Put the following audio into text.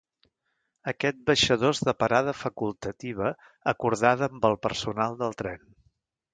Aquest baixador és de parada facultativa acordada amb el personal del tren.